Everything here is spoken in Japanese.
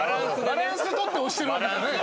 バランス取って推してるわけじゃない。